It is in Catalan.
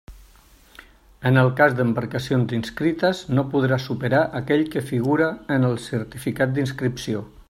En el cas d'embarcacions inscrites, no podrà superar aquell que figure en el certificat d'inscripció.